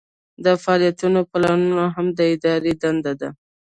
د فعالیتونو پلانول هم د ادارې دنده ده.